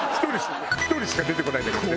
１人しか出てこないんだけどね